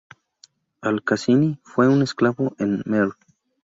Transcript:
Al-Khazini fue un esclavo en Merv.